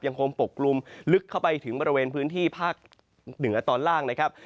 คงปกลุ่มลึกเข้าไปถึงบริเวณพื้นที่ภาคเหนือตอนล่างนะครับ